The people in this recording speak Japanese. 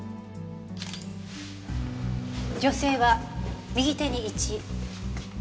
女性は右手に１。